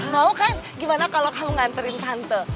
mau kan gimana kalau kamu nganterin tante